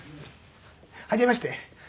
「はじめまして。